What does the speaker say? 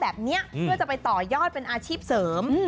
แบบนี้เพื่อจะไปต่อยอดเป็นอาชีพเสริม